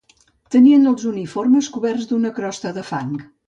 Tenien els uniformes coberts d'una crosta de fang